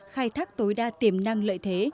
khai thác tối đa tiềm năng lợi thế